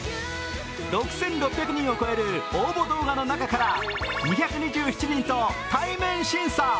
６６００人を超える応募動画の中から２２７人と対面審査。